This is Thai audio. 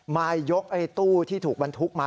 มายกไอ้ตู้ที่ถูกบรรทุกมา